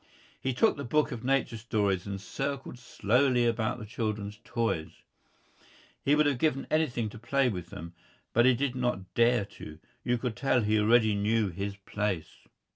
He took the book of nature stories and circled slowly about the children's toys. He would have given anything to play with them. But he did not dare to. You could tell he already knew his place.